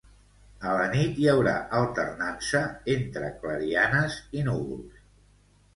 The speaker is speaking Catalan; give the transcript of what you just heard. A la nit hi haurà alternança entre clarianes i núvols.